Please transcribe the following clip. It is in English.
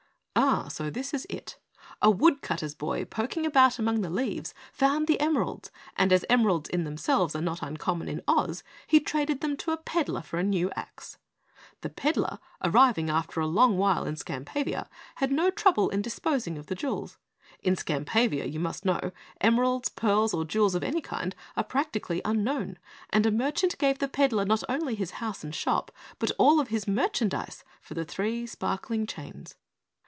"Ah, so this is it! A woodcutter's boy, poking about among the leaves, found the emeralds and as emeralds in themselves are not uncommon in Oz, he traded them to a peddler for a new ax. The peddler, arriving after a long while in Skampavia, had no trouble in disposing of the jewels. In Skampavia, you must know, emeralds, pearls, or jewels of any kind are practically unknown, and a merchant gave the peddler not only his house and shop, but all of his merchandise for the three sparkling chains.